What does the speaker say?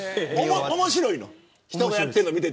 面白いの人がやってるの見て。